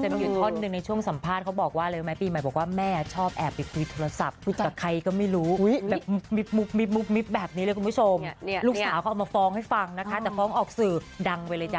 แต่มีอยู่ท่อนหนึ่งในช่วงสัมภาษณ์เขาบอกว่าอะไรรู้ไหมปีใหม่บอกว่าแม่ชอบแอบไปคุยโทรศัพท์คุยกับใครก็ไม่รู้แบบมิบมิบแบบนี้เลยคุณผู้ชมลูกสาวเขาเอามาฟ้องให้ฟังนะคะแต่ฟ้องออกสื่อดังไปเลยจ้ะ